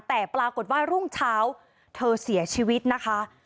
แต่ปรากฏว่ารุ่งเช้าเธอเสียชีวิตนะคะ